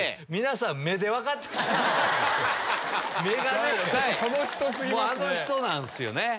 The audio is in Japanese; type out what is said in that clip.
目がねあの人なんすよね。